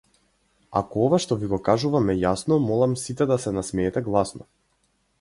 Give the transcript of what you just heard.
Ако ова што ви го кажувам е јасно молам сите да се насмеете гласно.